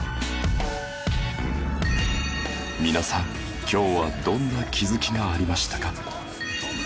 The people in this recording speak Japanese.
皆さん今日はどんな気づきがありましたか？